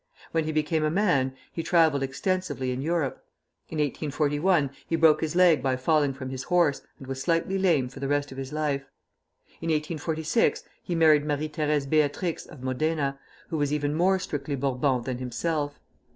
When he became a man he travelled extensively in Europe. In 1841 he broke his leg by falling from his horse, and was slightly lame for the rest of his life. In 1846 he married Marie Thérèse Beatrix of Modena, who was even more strictly Bourbon than himself.